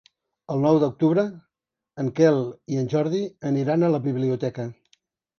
El nou d'octubre en Quel i en Jordi aniran a la biblioteca.